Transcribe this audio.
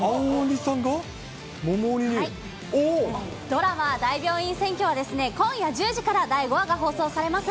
ドラマ、大病院占拠は今夜１０時から第５話が放送されます。